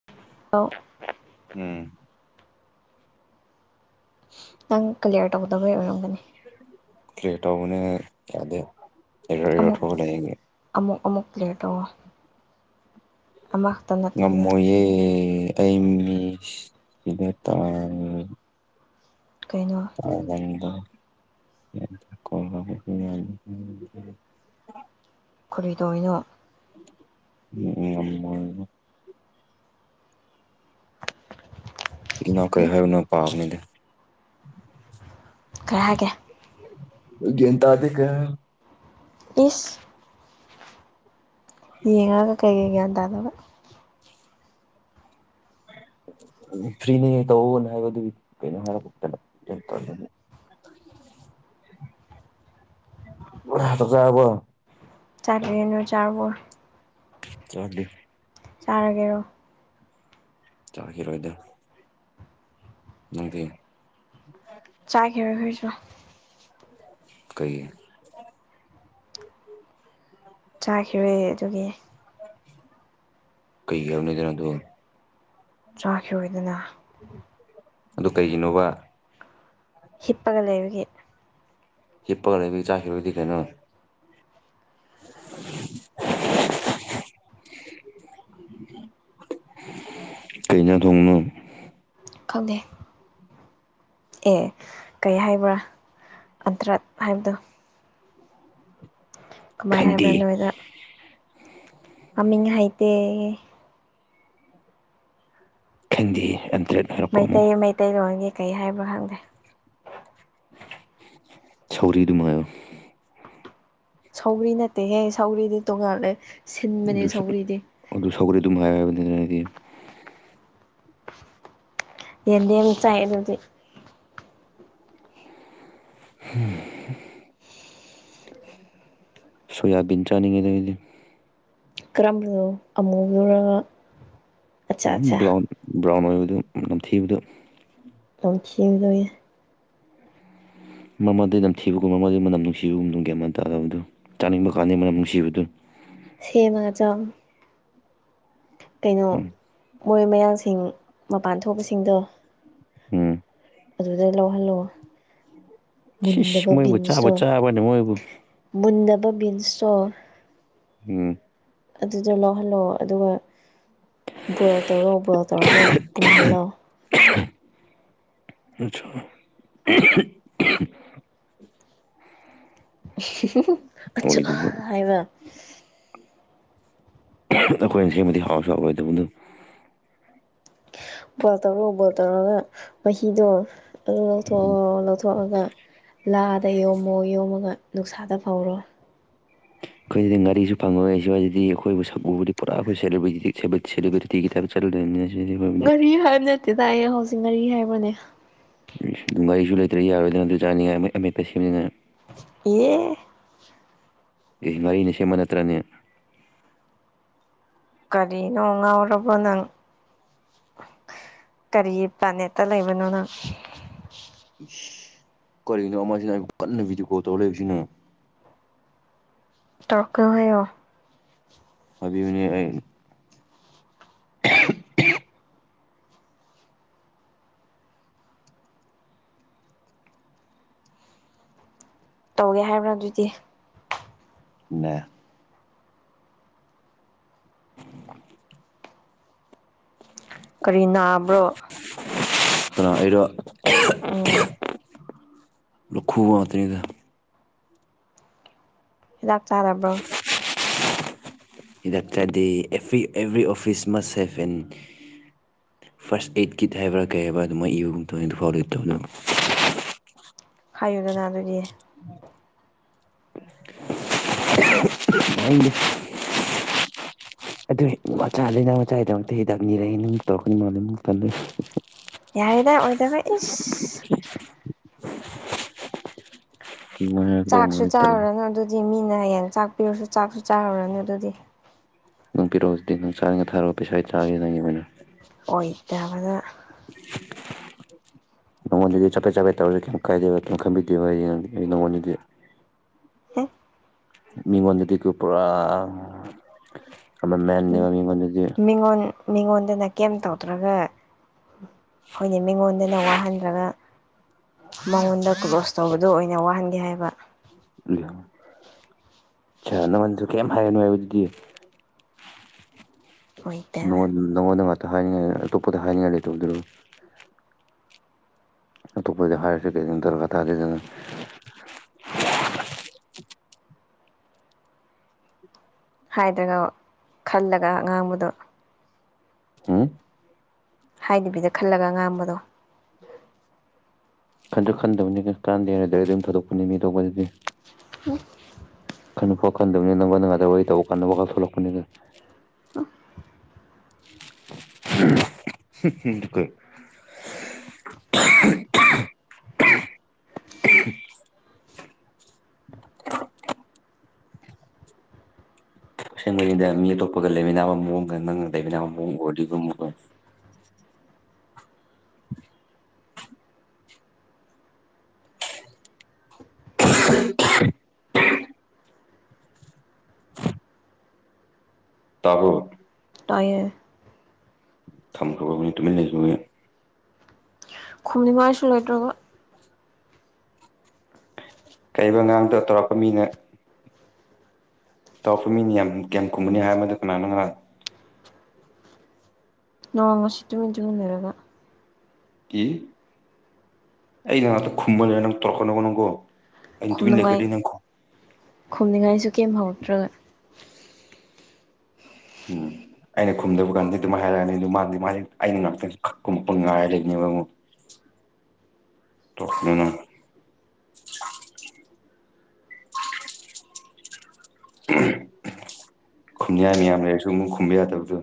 [unintelligible] ꯑꯧ ꯎꯝ ꯅꯪ ꯀꯂꯤꯌꯥꯔ ꯇꯧꯗꯕꯩ ꯑꯣꯏꯔꯝꯒꯅꯤ ꯀ꯭ꯂꯤꯌꯔ ꯇꯧꯕꯅꯦ ꯌꯥꯗꯦ ꯑꯦꯔ꯭ꯔ ꯏꯔ꯭ꯔ ꯑꯃꯨꯛ ꯊꯣꯛꯑ ꯂꯩ ꯑꯃꯨꯛ ꯑꯃꯨꯛ ꯀ꯭ꯔꯤꯌꯔ ꯇꯧꯋꯣ ꯑꯃ ꯉꯝꯃꯣꯏꯌꯦ ꯑꯩ ꯃꯤꯁ ꯁꯤꯗ ꯇꯧꯔꯅꯤ ꯀꯩꯅꯣ ꯑ ꯅꯪꯗꯣ [unintelligible] ꯀꯔꯤ ꯇꯧꯋꯤꯅꯣ [unintelligible] ꯏꯅꯥꯎ ꯀꯩ ꯍꯥꯏꯕꯅꯣ ꯄꯥꯕ ꯌꯧꯗꯦ ꯀꯩ ꯍꯥꯏꯒꯦ ꯒ꯭ꯌꯥꯟ ꯇꯥꯗꯦ ꯀꯩ ꯍꯥꯏꯅꯣ ꯏꯁ ꯌꯦꯡꯉꯒ ꯀꯩꯒꯤ ꯒ꯭ꯌꯥꯟ ꯇꯥꯗꯕ ꯐ꯭ꯔꯤꯅꯦ ꯇꯧꯑꯣꯅ ꯍꯥꯏꯕ ꯑꯗꯨꯒꯤ ꯀꯩꯅꯣ ꯍꯥꯏꯔꯛ [unintelligible] ꯆꯥꯛ ꯆꯥꯔꯕꯣ ꯆꯥꯗ꯭ꯔꯦ ꯅꯣꯏ ꯆꯥꯔꯕꯣ ꯆꯥꯗ꯭ꯔꯤ ꯆꯥꯔꯒꯦꯔꯣ ꯆꯥꯒꯤꯔꯣꯏꯗ ꯅꯣꯏꯗꯤ [inaudible] ꯆꯥꯈꯤꯔꯣꯏ ꯑꯈꯣꯏꯁꯨ ꯀꯩꯒꯤ ꯆꯥꯈꯤꯔꯣꯏꯌꯦ ꯑꯗꯨꯒꯤ ꯀꯩꯒꯤ ꯌꯥ [unintelligible] ꯑꯗꯨ ꯆꯥꯈꯤꯔꯣꯏꯗꯅ ꯑꯗꯨ ꯀꯩꯒꯤꯅꯣꯕ ꯍꯤꯞꯄꯥꯒ ꯂꯩꯕꯒꯤ ꯍꯤꯞꯄꯥꯒ ꯂꯩꯕꯒꯤ ꯆꯥꯈꯤꯔꯣꯏꯗꯤ ꯀꯩꯅꯣ [inaudible] ꯀꯩꯩ ꯏꯟꯖꯥꯡ ꯊꯣꯡꯉꯤꯅꯣ ꯈꯪꯗꯦ ꯑꯦ ꯀꯩ ꯍꯥꯏꯕ꯭ꯔꯥ ꯑꯠꯗ꯭ꯥꯔꯛ ꯍꯥꯏꯕꯗꯣ [inaudible] ꯀꯃꯥꯏ ꯍꯥꯏꯕ꯭ꯔꯥ ꯈꯪꯗꯦ ꯅꯣꯏꯗ ꯃꯃꯤꯡ ꯍꯩꯇꯦ ꯈꯪꯗꯦ ꯑꯗ꯭ꯥꯔꯛ ꯃꯩꯇꯩ ꯃꯩꯇꯩꯂꯣꯟꯒꯤ ꯀꯩ ꯍꯥꯏꯕ꯭ꯔꯥ ꯈꯪꯗꯦ ꯁꯧꯒ꯭ꯔꯤ ꯑꯗꯨꯝ ꯍꯥꯢꯌꯣ ꯁꯧ꯭ꯒꯔꯤ ꯅꯠꯇꯦ ꯍꯦ ꯁꯧꯒ꯭ꯔꯤꯗꯤ ꯇꯣꯉꯥꯜꯂꯦ ꯁꯤꯟꯕꯅꯦ ꯑꯗꯨꯁꯨ ꯁꯧꯒ꯭ꯔꯤꯗꯤ ꯑꯗꯨ ꯁꯧꯒ꯭ꯔꯤ ꯑꯗꯨꯝ ꯍꯥꯏ ꯍꯥꯢꯌꯣ ꯍꯥꯏꯕꯅꯤꯅꯦ ꯑꯩꯗꯤ ꯌꯦꯟꯗꯦꯝ ꯆꯥꯏ ꯑꯗꯨꯗꯤ ꯍꯝ [inaudible] ꯁꯣꯌꯥꯕꯤꯟ ꯆꯥꯅꯤꯡꯉꯤꯗ ꯑꯩꯗꯤ ꯀꯔꯝꯕꯅꯣ ꯑꯃꯨꯕꯔꯣ ꯕ꯭ꯔꯥꯎꯟ ꯕ꯭ꯔꯥꯎꯟ ꯑꯣꯏꯕꯗꯨ ꯅꯝꯊꯤꯕꯗꯨ ꯅꯝꯊꯤꯕꯗꯨꯌꯦ ꯃꯥ ꯃꯔꯛꯇꯤ ꯅꯝꯊꯤꯕꯒꯨꯝ [unintelligible] ꯃꯅꯝ ꯅꯨꯡꯁꯤꯕꯒꯨꯝ ꯒ꯭ꯌꯥꯟ ꯃꯦꯟ ꯇꯥꯗꯕꯗꯨ ꯆꯥꯅꯤꯡꯕ ꯀꯥꯟꯗꯤ ꯃꯅꯝ ꯅꯨꯡꯁꯤꯕꯗꯨ ꯁꯦꯝꯃꯒ ꯆꯥꯎ ꯀꯩꯅꯣ ꯎꯝ ꯃꯣꯏ ꯃꯌꯥꯡꯁꯤꯡ ꯃꯄꯥꯟ ꯊꯣꯛꯄꯁꯤꯡꯗꯣ ꯎꯝ ꯑꯗꯨꯗ ꯂꯧꯍꯜꯂꯣ ꯏꯁ ꯃꯨꯟꯗꯕ ꯃꯣꯏꯕꯨ ꯆꯥꯕꯨ ꯕꯤꯟꯁꯇꯣ ꯆꯥꯕ꯭ꯔꯣꯅꯦ ꯃꯣꯏꯕꯨ ꯃꯨꯟꯗꯕ ꯚꯤꯟꯁ ꯇꯣ ꯑꯝ ꯑꯗꯨꯗꯣ ꯂꯧꯍꯜꯂꯣ ꯑꯗꯨꯒ ꯕꯣꯏꯜ ꯇꯧꯔꯣ ꯕꯣꯏꯜ ꯇꯧꯔꯒ ꯄꯨꯝꯍꯜꯂꯣ [unintelligible] [unintelligible] ꯑꯠꯆꯥ ꯑꯣꯏꯗꯨꯕ ꯍꯥꯢꯕ ꯑꯩꯈꯣꯏꯅ ꯁꯦꯝꯕꯗꯤ ꯍꯥꯎꯁꯨ ꯍꯥꯎꯔꯣꯏꯗꯕꯗꯨ ꯕꯣꯢꯜ ꯇꯧꯔꯣ ꯕꯣꯢꯜ ꯇꯧꯔꯒ ꯃꯍꯤꯗꯣ ꯑꯗꯨ ꯂꯧꯊꯣꯛꯑꯣ ꯂꯧꯊꯣꯛꯑꯣ ꯂꯧꯊꯣꯛꯑꯒ ꯂꯥꯗ ꯌꯣꯝꯃꯣ ꯌꯣꯝꯃꯒ ꯅꯨꯡꯁꯥꯗ ꯐꯧꯔꯣ ꯑꯩꯈꯣꯏꯁꯤꯗ ꯉꯥꯔꯤꯁꯨ ꯐꯪꯉꯣꯏ ꯁ꯭ꯋꯥꯏꯗꯗꯤ ꯑꯩꯈꯣꯏꯕꯨ ꯁꯛ ꯎꯕꯗꯤ ꯄꯨꯔꯥ ꯑꯩꯈꯣꯏ ꯁꯤꯂꯦꯕ꯭ꯔꯤꯇꯤꯒꯤ ꯇꯥꯏꯞ ꯆꯠꯂꯗꯣꯏꯅꯤ ꯉꯥꯔꯤ ꯍꯥꯏꯕ ꯅꯠꯇꯦꯗ ꯑꯩ ꯍꯧꯖꯤꯛ ꯉꯥꯔꯤ ꯍꯥꯏꯕ꯭ꯔꯅꯦ ꯏꯁ ꯉꯥꯔꯤꯁꯨ ꯂꯩꯇ꯭ꯔꯦ ꯌꯥꯔꯣꯏꯗ꯭ꯔꯅ ꯑꯗꯨ ꯆꯥꯅꯤꯡꯉꯥꯏ ꯑꯃꯦꯠꯄ ꯁꯦꯝꯅꯤꯡꯉꯥꯏ ꯌꯦ ꯑꯦ ꯉꯥꯔꯤꯅ ꯁꯦꯝꯕ ꯅꯠꯇ꯭ꯔꯅꯦ ꯀꯥꯔꯤꯅꯣꯉꯥꯎꯔꯕꯣ ꯅꯪ ꯀꯔꯤ ꯄ꯭ꯂꯥꯅꯦꯠꯇ ꯂꯩꯕꯅꯣ ꯅꯪ ꯏꯁ ꯀꯔꯤꯅꯣ ꯑꯃꯁꯤꯅ ꯑꯩꯕꯨ ꯀꯟꯅ ꯚꯗꯤꯑꯣ ꯀꯣꯜ ꯇꯧꯔ ꯂꯩꯕꯁꯤꯅꯥ ꯇꯣꯔꯛꯀꯅꯣ ꯍꯥꯏꯌꯣ ꯍꯥꯏꯕꯤꯌꯨꯅꯦ ꯑꯩ ꯇꯧꯒꯦ ꯍꯥꯏꯕ꯭ꯔꯥ ꯑꯗꯨꯗꯤ ꯅꯥ [inaudible] [inaudible] ꯀꯔꯤ ꯅꯥꯕ꯭ꯔꯣ ꯀꯅꯥ ꯑꯩꯔꯣ ꯑꯣ [unintelligible] ꯂꯣꯛꯈꯨꯕ ꯈꯛꯇꯅꯤꯗ ꯍꯤꯗꯥꯛ ꯆꯥꯔꯕ꯭ꯔꯣ ꯍꯤꯗꯥꯛ ꯆꯥꯗꯦ ꯑꯦꯚ꯭ꯔꯤ ꯑꯦꯚ꯭ꯔꯤ ꯑꯣꯐꯤꯁ ꯃꯁ ꯍꯦꯞ ꯑꯦꯟ ꯐꯥꯔꯁ ꯑꯩꯗ ꯀꯤꯗ ꯍꯥꯏꯕ꯭ꯔꯥ ꯀꯩ ꯍꯥꯏꯕꯥ ꯑꯗꯨꯃꯥꯏ ꯏꯕꯒꯨꯝꯇꯧꯏ ꯑꯗꯨꯐꯥꯎ ꯔꯤꯗ ꯇꯥꯑꯣ ꯅꯪ ꯍꯥꯏꯌꯨꯗꯅ ꯑꯗꯨꯗꯤ [unintelligible] ꯍꯥꯏꯅꯤꯡꯗꯦ ꯑꯗꯨ ꯃꯆꯥ ꯂꯩꯅ ꯃꯆꯥꯒꯤꯗꯃꯛꯇ ꯍꯤꯗꯥꯛ ꯅꯤꯔꯛꯏ ꯅꯨꯡ ꯇꯧꯔꯛꯀꯅꯤ ꯃꯥꯜꯂꯦ ꯇꯜꯂꯦ ꯌꯥꯔꯦꯗ ꯑꯣꯏꯗꯕ ꯏꯁ [unintelligible] ꯇꯧ ꯆꯥꯛꯁꯨ ꯃꯥꯜꯂꯦ ꯇꯜꯂꯦ ꯆꯥꯔꯨꯔꯅꯨ ꯑꯗꯨꯗꯤ ꯃꯤꯅ ꯍꯌꯦꯡ ꯆꯥꯛ ꯄꯤꯔꯁꯨ ꯆꯥꯛꯁꯨ ꯆꯥꯔꯨꯔꯅꯨ ꯑꯗꯨꯗꯤ ꯅꯪ ꯄꯤꯔꯛꯑꯣ ꯑꯗꯨꯗꯤ ꯅꯪ ꯆꯥꯅꯤꯡꯒ ꯊꯥꯔꯛꯑꯣ ꯄꯩꯁꯥ ꯆꯥꯒꯦ ꯅꯪꯒꯤ ꯑꯣꯏꯅꯥ ꯑꯣꯏ ꯗꯕꯗꯥ [unintelligible] ꯅꯉꯣꯟꯗꯗꯤ ꯆꯕꯦꯠ ꯆꯕꯦꯠ ꯇꯧꯔꯁꯨ ꯀꯩꯝ ꯀꯥꯏꯗꯦꯕ ꯑꯗꯨꯝ ꯈꯟꯕꯤꯗꯦꯕ ꯑꯩꯗꯤ ꯅꯪ ꯅꯪꯉꯣꯟꯗꯗꯤ ꯑꯦ ꯃꯤꯉꯣꯟꯗꯗꯤꯀꯣ ꯄꯨꯔꯥ ꯑꯃ ꯍꯝ ꯃꯦꯟꯅꯦꯕ ꯃꯤꯉꯣꯟꯗꯗꯤ ꯃꯤꯉꯣꯟ ꯃꯤꯉꯣꯟꯗꯅ ꯀꯦꯝ ꯇꯧꯗ꯭ꯔꯒ ꯍꯣꯏꯅꯦ ꯃꯤꯉꯣꯟꯗꯅ ꯋꯥꯍꯟꯗ꯭ꯔꯒ ꯃꯉꯣꯟꯗ ꯀ꯭ꯂꯣꯁ ꯇꯧꯕꯗꯣ ꯑꯣꯏꯅ ꯋꯥꯍꯟꯒꯦ ꯍꯥꯏꯕ ꯏꯌꯥ ꯑꯆꯥ ꯅꯥꯉꯣꯟꯗꯁꯨ ꯀꯦꯝ ꯍꯥꯏꯒꯅꯨ ꯍꯥꯏꯕꯔꯥ ꯑꯗꯨꯗꯤ ꯑꯣꯏꯗꯕ ꯅꯉꯣꯟ ꯅꯪꯉꯣꯟꯗ ꯉꯥꯛꯇ ꯍꯥꯏꯅꯤꯡꯉꯥꯏ ꯑꯇꯣꯞꯄꯗ ꯍꯥꯏꯅꯤꯡꯉꯥꯏ ꯂꯩꯇꯕꯗꯨꯔꯣ ꯑꯇꯣꯞꯄꯗꯥ ꯍꯥꯏꯔꯁꯨ ꯀꯩꯁꯨꯝ ꯗꯔꯀꯥ ꯇꯗꯦꯅ ꯍꯥꯏꯗ꯭ꯔꯒ ꯈꯜꯂꯒ ꯉꯥꯡꯕꯗꯣ ꯍꯨꯝ ꯍꯥꯏꯗꯥꯕꯤꯗ ꯈꯜꯂꯒ ꯉꯥꯡꯕꯗꯣ ꯈꯟꯁꯨ ꯈꯟꯗꯕꯅꯤꯅ ꯀꯥꯟꯗꯦꯅ ꯗꯥꯏꯔꯦꯛ ꯑꯗꯨꯝ ꯊꯗꯣꯛꯄꯅꯤꯅꯦ ꯃꯤ ꯑꯇꯣꯞꯗꯨꯗꯤ ꯍꯝ ꯈꯟꯅꯨꯀꯣ ꯈꯟꯗꯕꯅꯤ ꯅꯪꯉꯣꯟꯗ ꯉꯥꯛꯇꯥ ꯋꯥꯔꯤ ꯇꯧꯕ ꯀꯟꯗ ꯋꯥꯈꯜ ꯊꯣꯛꯂꯛꯄꯅꯤꯗꯥ [unintelligible] ꯑꯁꯦꯡꯕꯅꯤꯗ ꯃꯤ ꯑꯇꯣꯞꯄꯒ ꯂꯩꯃꯤꯟꯅꯕ ꯃꯑꯣꯡꯒ ꯅꯪꯒ ꯂꯩꯃꯤꯟꯅꯕ ꯃꯑꯣꯡ ꯑꯣꯏꯔꯗꯤꯒꯨꯝꯕ [unintelligible] ꯇꯥꯕꯔꯣ ꯇꯥꯏꯌꯦ ꯊꯝꯈ꯭ꯔꯕꯥ ꯃꯤ ꯇꯨꯃꯤꯗꯨꯅꯦ [unintelligible] ꯈꯨꯝꯅꯤꯉꯥꯏꯁꯨ ꯂꯩꯇꯔꯥꯒꯥ ꯀꯩꯕ ꯉꯥꯡꯗꯣ ꯇꯧꯔꯛꯄꯥ ꯃꯤꯅ ꯇꯧꯔꯛꯄꯥ ꯃꯤꯅꯤ ꯌꯥꯝ ꯀꯌꯥꯝ ꯀꯨꯝꯒꯅꯤ ꯍꯥꯏꯔꯝꯕꯥꯗꯨ ꯀꯅꯥꯅꯣ ꯉꯔꯥꯡ ꯅꯣꯡ ꯉꯁꯤ ꯇꯨꯃꯤꯟ ꯇꯨꯃꯤꯟ ꯂꯩꯔꯒꯥ ꯑꯩꯅꯥ ꯉꯥꯛꯇꯥ ꯈꯨꯝꯕꯥꯅꯤꯅ ꯅꯪ ꯇꯧꯔꯛꯀꯥꯅꯣ ꯅꯪꯀꯣ ꯑꯩꯅ ꯇꯨꯃꯤꯟ ꯈꯨꯝꯅꯥꯉꯥꯏ ꯂꯩꯈ꯭ꯔꯗꯤ ꯅꯪ ꯈꯨꯝ ꯈꯨꯝꯅꯤꯡꯉꯥꯏꯁꯨ ꯀꯦꯝ ꯍꯧꯔꯛꯇ꯭ꯔꯒ ꯎꯝ ꯑꯩꯅ ꯈꯨꯝꯗꯥꯕ ꯀꯥꯟꯗꯤ ꯑꯗꯨꯃꯥꯏꯅ ꯍꯥꯏꯔꯛꯑꯥꯅꯤ ꯑꯗꯨ ꯃꯥꯗꯤ ꯃꯥꯗꯤ ꯑꯩꯅ ꯉꯥꯛꯇꯥ ꯈꯨꯝꯃꯛꯄꯥ ꯉꯥꯏ ꯂꯩꯅꯦꯕ ꯑꯃꯨꯛ ꯇꯣꯛ ꯎꯝ ꯈꯨꯝꯅꯤꯡꯉꯥꯏ ꯃꯌꯥꯝ ꯂꯩꯔꯥꯁꯨ ꯑꯃꯨꯛ ꯈꯨꯝꯕꯥ ꯌꯥꯗꯕꯗꯣ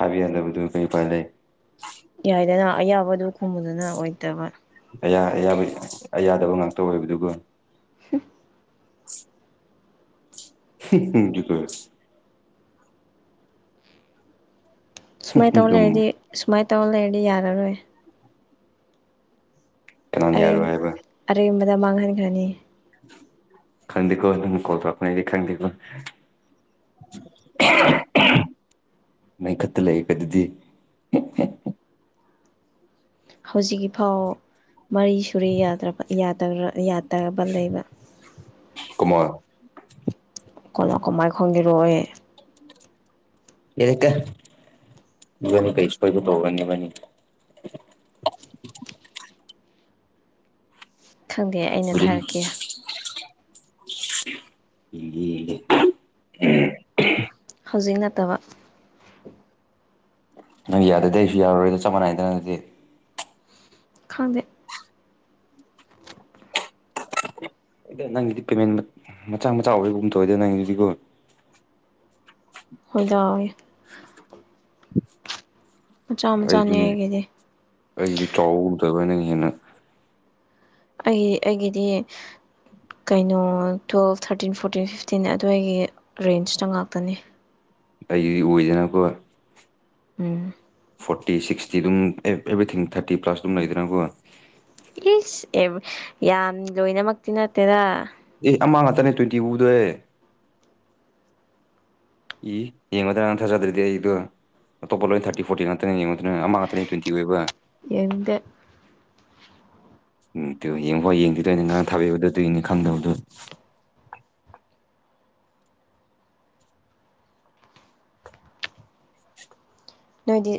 ꯍꯥꯏꯕꯥ ꯌꯥꯗꯕꯗꯨ ꯀꯩ ꯎꯄꯥꯏ ꯂꯩ ꯌꯥꯏꯗꯥꯅ ꯑꯌꯥꯕꯗꯨ ꯈꯨꯝꯃꯨꯗꯥꯅ ꯑꯣꯏꯇꯕꯥ ꯑꯌꯥ ꯑꯌꯥꯕ ꯑꯌꯥꯗꯕ ꯉꯥꯛꯇꯥ ꯑꯣꯏꯕꯥꯗꯨꯕꯨ ꯍꯨꯝ [unintelligible] [unintelligible] ꯁꯨꯃꯥꯏꯅ ꯇꯧ ꯑꯗꯨꯝ ꯂꯩꯔꯥꯗꯤ ꯁꯨꯃꯥꯏꯅ ꯇꯧ ꯂꯩꯔꯥꯗꯤ ꯌꯥꯔꯔꯣꯏ ꯀꯅꯥꯅ ꯑꯔꯦꯝ ꯌꯥꯔꯣꯏ ꯍꯥꯏꯕ ꯑꯔꯦꯝꯕꯥꯗ ꯃꯥꯡꯍꯟꯈ꯭ꯔꯥꯅꯤ ꯈꯪꯗꯦꯀꯣ ꯅꯪꯅꯥ ꯀꯣꯜ ꯇꯧꯔꯛꯄꯥꯅꯤ ꯑꯩꯗꯤ ꯈꯪꯗꯦꯀꯣ ꯅꯪ ꯈꯨꯠꯇꯥ ꯂꯩꯌꯦꯀꯣ ꯑꯗꯨꯗꯤ ꯍꯧꯖꯤꯛꯀꯤ ꯐꯥꯎ ꯃꯔꯤ ꯁꯨꯔꯦ ꯌꯥꯗꯕꯥ ꯂꯩꯕ ꯀꯃꯥꯏ ꯀꯩꯅꯣ ꯀꯃꯥꯏꯅꯥ ꯈꯪꯒꯦꯔꯣ ꯑꯩ [unintelligible] ꯈꯪꯗꯦ ꯑꯩꯅ ꯊꯥꯔꯛꯀꯦ ꯍꯧꯖꯤꯛ ꯅꯠꯇꯥꯕ ꯅꯪ ꯌꯥꯗꯔꯥꯗꯤ ꯑꯩꯁꯨ ꯌꯥꯔꯣꯏꯗꯥ ꯆꯞ ꯃꯥꯟꯅꯩꯗ ꯑꯗꯨꯗꯤ ꯈꯪꯗꯦ ꯅꯪꯒꯤꯗꯤ ꯄꯦꯃꯦꯟ ꯃꯆꯥ ꯃꯆꯥ ꯑꯣꯏꯒꯤꯒꯨꯝ ꯇꯧꯋꯤꯗꯥ ꯅꯪꯒꯤꯗꯨꯗꯤꯀꯣ ꯍꯣꯏꯗꯥ ꯃꯆꯥ ꯃꯆꯥꯅꯦ ꯑꯩꯗꯨꯅꯦ ꯑꯩꯒꯤꯗꯤ ꯑꯩꯒꯤꯗꯨ ꯆꯥꯎꯕꯒꯝꯗꯕ ꯅꯪ ꯍꯦꯟꯅꯥ ꯑꯩ ꯑꯩꯒꯤꯗꯤ ꯀꯩꯅꯣ ꯇꯨꯋꯦꯞ ꯊꯥꯔꯇꯤꯟ ꯐꯣꯔꯇꯤꯟ ꯐꯤꯐꯇꯤꯟ ꯑꯗꯨꯋꯥꯏꯒꯤ ꯔꯦꯟꯖꯇꯥ ꯉꯥꯛꯇꯅꯤ ꯑꯩꯒꯤꯗꯤ ꯎꯏꯗꯥꯅꯀꯣ ꯎꯝ ꯐꯣꯔꯇꯤ ꯁꯤꯛꯁꯇꯤ ꯑꯗꯨꯝ ꯑꯦꯚ꯭ꯔꯤꯊꯤꯡ ꯊꯥꯔꯇꯤ ꯄ꯭ꯂꯁ ꯑꯗꯨꯝ ꯂꯩꯗꯥꯅꯀꯣ ꯏꯁ ꯑꯦꯕ ꯌꯥꯝ ꯂꯣꯏꯅꯃꯛꯇꯤ ꯅꯠꯇꯦꯗꯥ ꯑꯦ ꯑꯃꯥ ꯉꯥꯇꯅꯦ ꯇꯣꯏꯟꯇꯤ ꯋꯨꯗ꯭ꯋꯦ ꯏ ꯌꯦꯡꯉꯣꯗꯥ ꯅꯪ ꯊꯥꯖꯗ꯭ꯔꯗꯤ ꯑꯩꯗꯣ ꯑꯇꯣꯞꯄꯥ ꯂꯣꯏ ꯊꯥꯔꯇꯤ ꯐꯣꯔꯇꯤ ꯉꯥꯛꯇꯥꯅꯦ ꯌꯦꯡꯉꯣꯗꯅꯥ ꯑꯃꯥ ꯉꯥꯛꯇꯥꯅꯦ ꯇꯣꯏꯟꯇꯤ ꯑꯣꯏꯕ ꯌꯦꯡꯅꯤꯡꯗꯦ ꯎꯝ ꯇꯨ ꯌꯦꯡꯐꯥꯎ ꯌꯦꯡꯗ꯭ꯔꯤꯗꯣ ꯑꯩꯅ ꯉꯔꯥꯡ ꯊꯥꯕꯤꯕꯗꯨ ꯗꯨꯏꯅꯤ ꯈꯪꯗꯕꯗꯨ ꯅꯣꯏꯗꯤ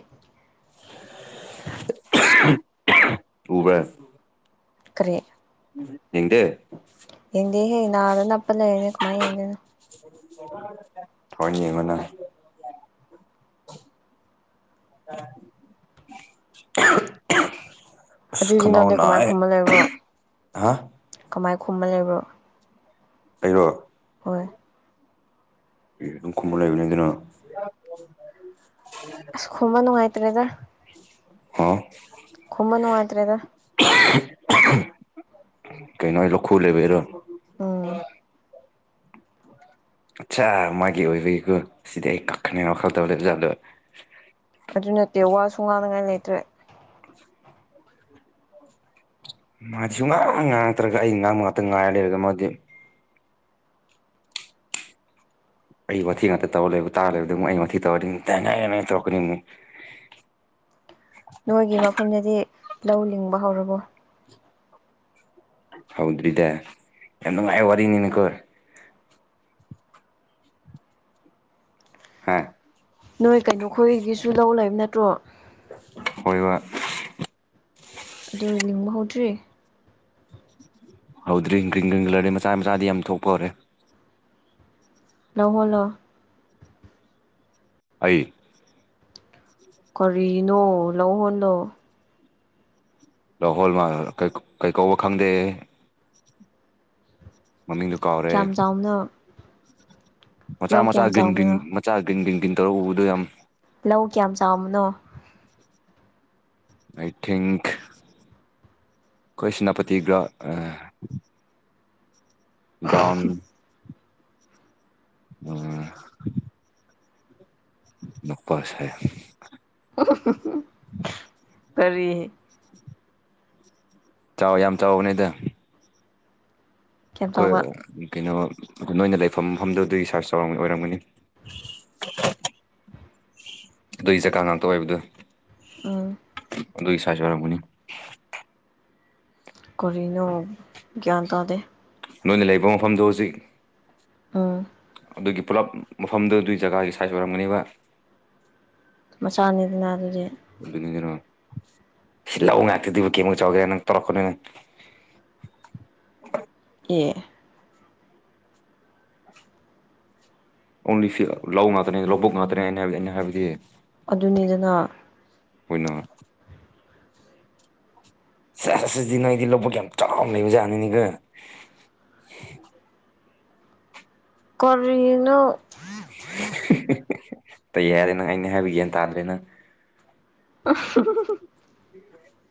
ꯎꯕ꯭ꯔꯥ ꯀꯔꯤ ꯌꯦꯡꯗꯦ ꯌꯦꯡꯗꯦꯍꯦ ꯅꯥꯗ ꯅꯞꯄ ꯂꯩꯌꯦꯅꯦ ꯀꯃꯥꯏ ꯌꯦꯡꯗꯣꯏꯅꯣ ꯊꯥꯑꯣꯏꯟ ꯌꯦꯉꯣꯅ [unintelligible] ꯑꯗꯨꯏꯖꯤ ꯅꯪꯗꯦ ꯀꯃꯥꯏ ꯈꯨꯝꯃ ꯂꯩꯕ꯭ꯔꯣ ꯍꯥ ꯀꯃꯥꯏ ꯈꯨꯝꯃ ꯂꯩꯕ꯭ꯔꯣ ꯑꯩꯔꯣ ꯍꯣꯏ ꯑꯦ ꯑꯗꯨꯝ ꯈꯨꯝꯃꯥ ꯂꯩꯕꯅꯤꯗꯅ ꯑꯁ ꯈꯨꯝꯃ ꯅꯨꯉꯥꯏꯇ꯭ꯔꯦꯗ ꯍꯥ ꯈꯨꯨꯝꯃ ꯅꯨꯉꯥꯏꯇ꯭ꯔꯦꯗ ꯀꯩꯩꯅꯣ ꯑꯩ ꯂꯣꯛꯈꯨ ꯂꯩꯕꯩꯔꯣ ꯎꯝ ꯑꯠꯁꯥ ꯃꯥꯒꯤ ꯑꯣꯏꯕꯒꯤꯀꯣ ꯁꯤꯗꯤ ꯑꯩ ꯀꯛꯈꯅꯦ ꯋꯥꯈꯜ ꯇꯧ ꯂꯩꯕꯖꯥꯠꯗꯣ ꯑꯗꯨ ꯅꯠꯇꯦ ꯋꯥꯁꯨ ꯉꯥꯡꯅꯉꯥꯏ ꯂꯩꯇ꯭ꯔꯦ ꯃꯥꯗꯤ ꯁꯨꯉꯥꯡ ꯉꯥꯡꯉꯛꯇ꯭ꯔꯒ ꯑꯩ ꯉꯥꯡꯕ ꯉꯥꯇ ꯉꯥꯏꯔ ꯂꯩꯔꯒ ꯃꯥꯗꯤ ꯑꯩ ꯋꯥꯊꯤ ꯉꯥꯇ ꯇꯧꯔ ꯂꯩꯕ ꯇꯥꯔ ꯂꯩꯕꯗꯨ ꯃꯨꯛ ꯑꯩ ꯋꯥꯊꯤ ꯇꯧꯔꯗꯤ [unintelligible] ꯇꯧꯔꯛꯀꯅꯤꯅꯦ ꯅꯣꯏꯒꯤ ꯃꯐꯝꯗꯗꯤ ꯂꯧ ꯂꯤꯡꯕ ꯍꯧꯔꯕꯣ ꯍꯧꯗ꯭ꯔꯤꯗ ꯌꯥꯝ ꯅꯨꯉꯥꯏ ꯋꯥꯔꯤꯅꯤꯅꯦꯀꯣ ꯍꯥꯥ ꯅꯣꯏ ꯀꯩꯅꯣ ꯈꯣꯏꯒꯤꯁꯨ ꯂꯧ ꯂꯩꯕ ꯅꯠꯇ꯭ꯔꯣ ꯍꯣꯏꯕ ꯑꯗꯨ ꯂꯤꯡꯕ ꯍꯧꯗ꯭ꯔꯤ ꯍꯧꯗ꯭ꯔꯤ ꯒ꯭ꯔꯤꯡ ꯒ꯭ꯔꯤꯡ ꯂꯩꯔꯦ ꯃꯆꯥ ꯃꯆꯥꯗꯤ ꯌꯥꯝ ꯊꯣꯛꯄ ꯍꯧꯔꯦ ꯂꯧꯍꯣꯜꯂꯣ ꯑꯩ ꯀꯔꯤꯅꯣ ꯂꯧꯍꯣꯟꯂꯣ ꯂꯧꯍꯣꯜꯋꯥ ꯀꯩ ꯀꯧ ꯀꯩ ꯀꯧꯕ ꯈꯪꯗꯦ ꯃꯃꯤꯡꯗꯨ ꯀꯥꯎꯔꯦ ꯀꯌꯥꯝ ꯆꯥꯎꯕꯅꯣ ꯃꯆꯥ ꯂꯧ ꯃꯆꯥ ꯀꯌꯥꯝ ꯒ꯭ꯔꯤꯟ ꯒ꯭ꯔꯤꯟ ꯆꯥꯎꯕꯅꯣ ꯃꯆꯥ ꯒ꯭ꯔꯤꯟ ꯒꯤꯟ ꯒꯤꯟ ꯇꯧꯔ ꯎꯕꯗꯨ ꯌꯥꯝ ꯂꯧ ꯀ꯭ꯌꯥꯝ ꯆꯥꯎꯃꯅꯣ ꯑꯥꯏ ꯊꯤꯡꯈ ꯈꯣꯏ ꯁꯤꯅꯥꯄꯇꯤꯒ ꯒ꯭ꯔꯥꯎꯟ ꯑ [unintelligible] ꯀꯔꯤ ꯆꯥꯎ ꯌꯥꯝ ꯆꯥꯎꯕꯅꯤꯗ ꯀꯌꯥꯝ ꯆꯥꯎꯕ ꯑꯩꯈꯣꯏ ꯀꯩꯅꯣ ꯑꯗꯨ ꯅꯣꯏꯅ ꯂꯩꯐꯝ ꯃꯐꯝꯗꯨꯗꯤ ꯁꯥꯔꯖ ꯆꯥꯎꯒꯤ ꯑꯣꯏꯔꯝꯒꯅꯤ ꯑꯗꯨꯏ ꯖꯒꯥ ꯉꯥꯛꯇ ꯑꯣꯏꯕꯗꯨ ꯎꯝ ꯑꯗꯨꯒꯤ ꯁꯥꯏꯁ ꯑꯣꯏꯔꯝꯒꯅꯤ ꯀꯔꯤꯅꯣ ꯒ꯭ꯌꯥꯟ ꯇꯥꯗꯦ ꯅꯣꯏꯅ ꯂꯩꯕ ꯃꯐꯝꯗꯨ ꯍꯧꯖꯤꯛ ꯎꯝ ꯑꯗꯨꯒꯤ ꯄꯨꯂꯞ ꯃꯐꯝꯗꯣ ꯑꯗꯨꯏ ꯖꯒꯥꯒꯤ ꯁꯥꯏꯖ ꯑꯣꯏꯔꯝꯒꯅꯤꯕ ꯃꯆꯥꯅꯤꯗꯅ ꯑꯗꯨꯗꯤ [unintelligible] ꯑꯦ ꯑꯣꯡꯂꯤ ꯐꯤ ꯂꯧ ꯉꯥꯛꯇꯅꯦ ꯂꯧꯕꯨꯛ ꯉꯥꯛꯇꯅꯦ ꯑꯩꯅ ꯍꯥꯏꯕ ꯑꯩꯅ ꯍꯥꯏꯕꯗꯤ ꯑꯗꯨꯅꯤꯗꯅ [unintelligible] ꯁꯦꯁ ꯑꯗꯨꯗꯤ ꯅꯣꯏꯗꯤ ꯂꯧꯕꯨꯛ ꯌꯥꯝ ꯆꯥꯎꯅ ꯂꯩꯕ ꯖꯥꯠꯅꯤꯅꯦ ꯀꯨ ꯀꯔꯤꯅꯣ ꯇꯌꯥꯔꯦ ꯅꯪ ꯑꯩꯅ ꯍꯥꯏꯕ ꯒ꯭ꯌꯥꯟ ꯇꯥꯗ꯭ꯔꯦ ꯅꯪ [unintelligible] [inaudible]